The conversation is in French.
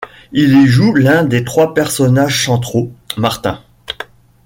Il y joue l'un des trois personnages centraux: Martin.